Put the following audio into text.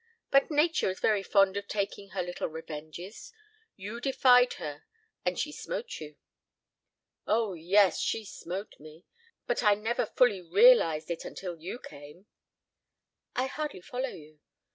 But nature is very fond of taking her little revenges. You defied her and she smote you." "Oh, yes, she smote me! But I never fully realized it until you came." "I hardly follow you."